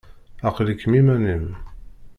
Aql-ikem iman-im.